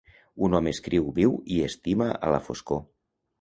Un home escriu, viu i estima a la foscor.